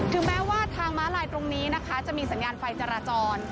แม้ว่าทางม้าลายตรงนี้นะคะจะมีสัญญาณไฟจราจร